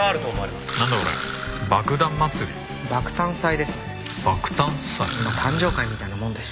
まあ誕生会みたいなもんです。